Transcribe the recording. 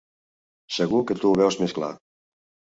Segur que tu ho veus més clar.